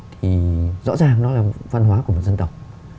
thì rõ ràng nó là văn hóa của một dân tộc